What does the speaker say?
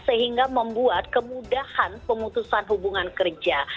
sehingga membuat kemudahan pemutusan hubungan kerja